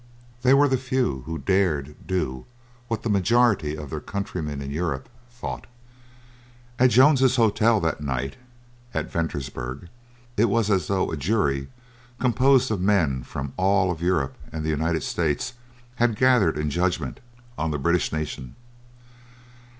They were the few who dared do what the majority of their countrymen in Europe thought. At Jones's Hotel that night, at Ventersburg, it was as though a jury composed of men from all of Europe and the United States had gathered in judgment on the British nation.